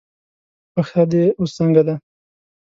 پښه دې اوس څنګه ده؟